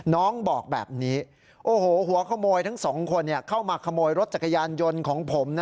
น้องบอกแบบนี้โอ้โหหัวขโมยทั้งสองคนเข้ามาขโมยรถจักรยานยนต์ของผม